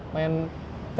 main capek fisik mikir